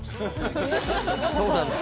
そうなんです。